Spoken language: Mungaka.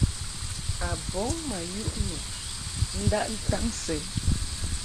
A bɔŋ ma yuʼ nu ndaʼ ntaŋ sɛ.